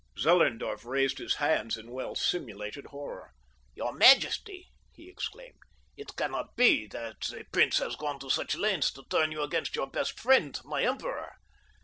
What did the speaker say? Zellerndorf raised his hands in well simulated horror. "Your majesty!" he exclaimed. "It cannot be that the prince has gone to such lengths to turn you against your best friend, my emperor.